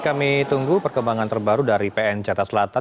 kami tunggu perkembangan terbaru dari pn jakarta selatan